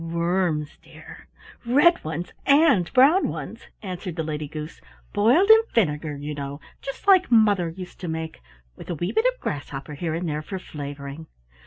"Worms, dear; red ones and brown ones," answered the Lady Goose, "boiled in vinegar, you know just like mother used to make with a wee bit of a grasshopper here and there for flavoring.